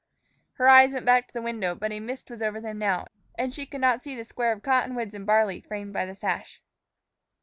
Her eyes went back to the window, but a mist was over them now, and she could not see the square of cottonwoods and barley framed by the sash.